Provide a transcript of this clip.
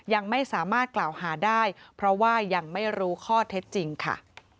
ยังไม่สามารถกล่าวหาได้เพราะว่ายังไม่รู้ข้อเท็จจริงค่ะ